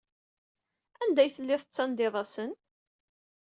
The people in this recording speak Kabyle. Anda ay telliḍ tettandiḍ-asen?